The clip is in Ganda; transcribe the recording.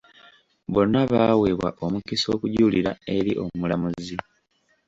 Bonna baaweebwa omukisa okujulira eri omulamuzi.